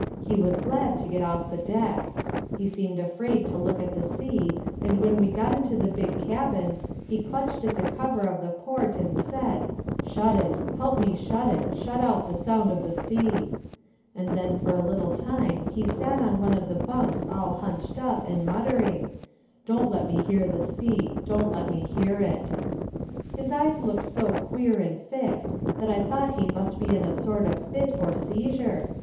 He was glad to get off the deck. He seemed afraid to look at the sea, and when we got into the big cabin, he clutched at the cover of the port and said, "Shut it, help me shut it, shut out the sound of the sea;" and then for a little time he sat on one of the bunks all hunched up, and muttering, "Don't let me hear the sea, don't let me hear it." His eyes looked so queer and fixed, that I thought he must be in a sort of fit, or seizure.